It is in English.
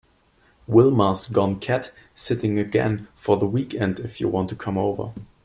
Wilma’s gone cat sitting again for the weekend if you want to come over.